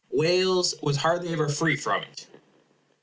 Wales was hardly ever free from it.